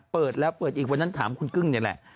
เปิดแล้วเปิดอีกวันนั้นถามคุณกึ้งนี่แหละ